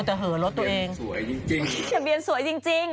ทะเบียนสวยจริง